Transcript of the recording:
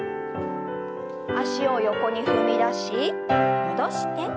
脚を横に踏み出し戻して。